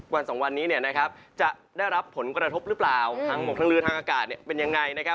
วันสองวันนี้เนี่ยนะครับจะได้รับผลกระทบหรือเปล่าทั้งหมดทั้งลืนทั้งอากาศเนี่ยเป็นยังไงนะครับ